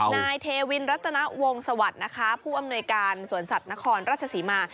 นายเทวินรัตนวงสวัสดิ์นะคะผู้อำนวยการสวนสัตว์นครราชศรีมา